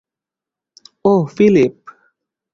ওহ, Philip.